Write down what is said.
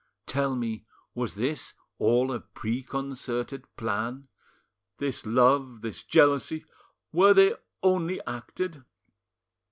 Tell me, was this all a preconcerted plan? This love, this jealousy, were they only acted?"